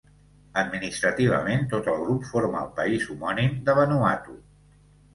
Administrativament tot el grup forma el país homònim de Vanuatu.